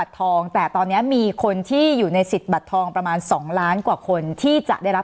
สนับสนุนโดยพี่โพเพี่ยวสะอาดใสไร้คราบ